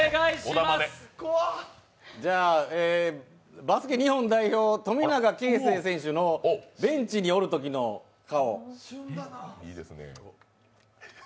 じゃあバスケ日本代表、富永啓生選手のベンチにおるときの顔。